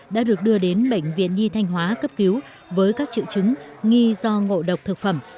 đã được đưa đến bệnh viện nhi thanh hóa cấp cứu với các triệu chứng nghi do ngộ độc thực phẩm